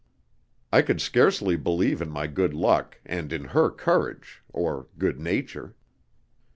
I could scarcely believe in my good luck, and in her courage or good nature.